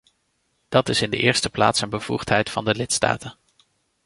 Dat is in de eerste plaats een bevoegdheid van de lidstaten.